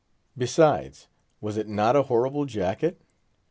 Besides, was it not a horrible jacket?